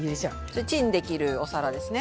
それチンできるお皿ですね。